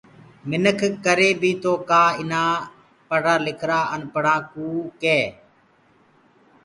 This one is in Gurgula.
مِنک ڪري بيٚ تو ڪآ ايٚنآ پڙهرآ لکرآ انپهڙآئونٚ ڪي